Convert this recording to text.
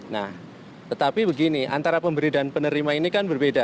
nah tetapi begini antara pemberi dan penerima ini kan berbeda